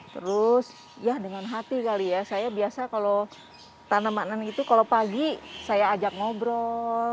terus ya dengan hati kali ya saya biasa kalau tanamanan itu kalau pagi saya ajak ngobrol